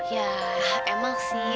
ya emang sih